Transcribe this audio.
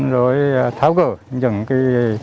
rồi tháo gỡ những cái